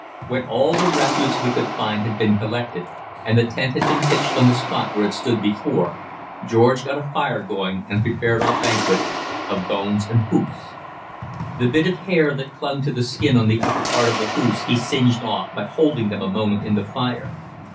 When all the refuse we could find had been collected, and the tent had been pitched on the spot where it stood before, George got a fire going and prepared our banquet of bones and hoofs. The bit of hair that clung to the skin on the upper part of the hoofs he singed off by holding them a moment in the fire.